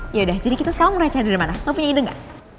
yaudah jadi kita sekarang meracah dari mana lo punya ide ga